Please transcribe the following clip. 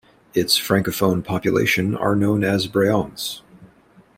Its Francophone population are known as Brayons.